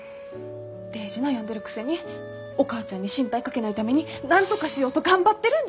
デージ悩んでるくせにお母ちゃんに心配かけないためになんとかしようと頑張ってるんです。